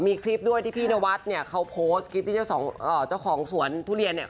มีคลิปด้วยที่พี่นวัดเนี่ยเขาโพสต์คลิปที่เจ้าของเจ้าของสวนทุเรียนเนี่ย